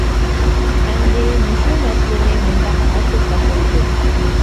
ئەمدى مۇشۇ مەسىلىنى مۇنداق ھەل قىلساق بولىدۇ.